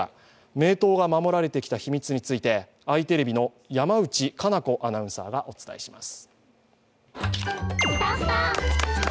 名湯が守られてきた秘密についてあいテレビの山内可菜子アナウンサーがお伝えします。